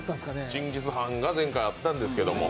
チンギスハンが前回あったんですけど。